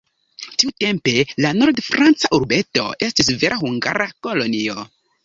Tiutempe la nord-franca urbeto estis vera hungara kolonio.